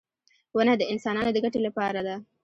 • ونه د انسانانو د ګټې لپاره ده.